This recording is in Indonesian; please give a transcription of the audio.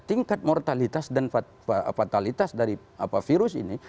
tingkat mortalitas dan fatalitas dari virus ini